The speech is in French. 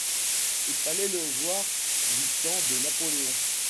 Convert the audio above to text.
Il fallait le voir du temps de Napoléon !